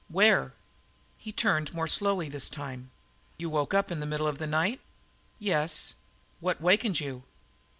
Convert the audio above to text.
"Where?" He turned more slowly this time. "You woke up in the middle of the night?" "Yes." "What wakened you?"